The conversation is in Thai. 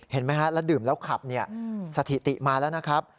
เห็นไหมครับดื่มแล้วขับสถิติมาแล้ว